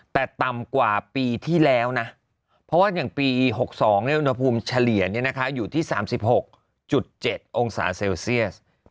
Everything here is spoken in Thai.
แต่ต่ำกว่าปีที่แล้วนะเพราะว่าอย่างปี๖๒อุณหภูมิเฉลี่ยอยู่ที่๓๖๗องศาเซลเซียส